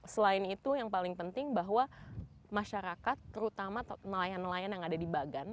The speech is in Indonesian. selain itu yang paling penting bahwa masyarakat terutama nelayan nelayan yang ada di bagan